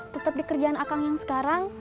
tetep di kerjaan akang yang sekarang